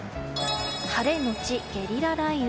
晴れのちゲリラ雷雨。